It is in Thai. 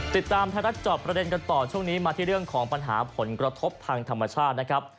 ติดตามไทยรัฐจอบประเด็นกันต่อช่วงนี้มาที่เรื่องของปัญหาผลกระทบทางธรรมชาตินะครับ